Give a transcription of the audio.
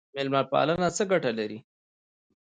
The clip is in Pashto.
میلمه پالنه څه ګټه لري؟